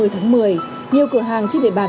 hai mươi tháng một mươi nhiều cửa hàng trên địa bàn